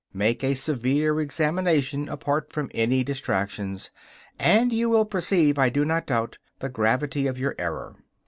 Make a severe examination apart from any distractions, and you will perceive, I do not doubt, the gravity of your error.